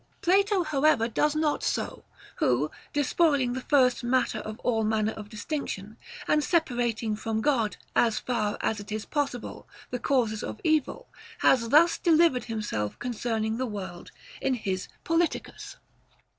Plato however does not so ; who, despoiling the first matter of all manner of distinction, and separating from God, as far as it is possible, the causes of evil, has thus delivered himself concerning the world, in his Politicus.